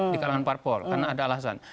di kalangan parpol karena ada alasan